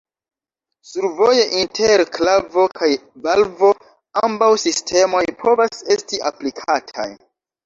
Survoje inter klavo kaj valvo ambaŭ sistemoj povas esti aplikataj.